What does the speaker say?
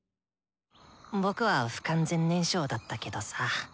僕は不完全燃焼だったけどさ。